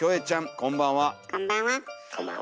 こんばんは。